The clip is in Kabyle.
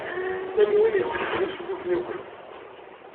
Am win itekksen isellufen i uqjun.